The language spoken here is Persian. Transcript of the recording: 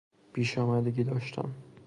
پیشامدگی داشتن